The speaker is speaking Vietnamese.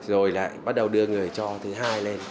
rồi lại bắt đầu đưa người cho thứ hai lên